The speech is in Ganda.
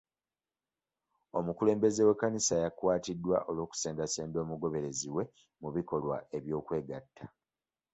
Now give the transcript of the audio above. Omukulembeze w'ekkanisa yakwatiddwa olw'okusendasenda omugoberezi we mu bikolwa eby'okwegatta.